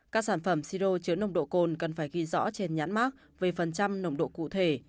các sản phẩm siro chứa nồng độ cồn cần phải ghi rõ trên nhãn mát về phần trăm nồng độ cụ thể